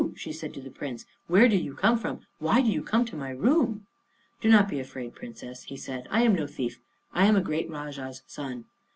she said to the Prince. "Where do you come from? Why do you come to my room?" "Do not be afraid, Princess," he said; "I am no thief. I am a great Rajah's son.